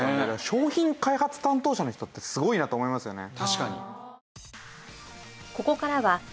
商品開発担当者の人ってすごいなと思いますよね。